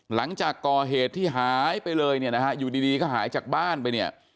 หลังจากก่อเหตุที่หายไปเลยเนี่ยนะฮะอยู่ดีก็หายจากบ้านไปเนี่ย